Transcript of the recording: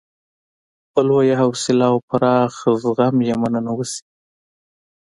په لویه حوصله او پراخ زغم یې مننه وشي.